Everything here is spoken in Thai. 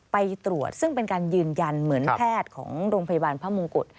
ไปตรวจซึ่งเป็นการยืนยันเหมือนแพทย์ของโรงพยาบาลพระมงกุฎ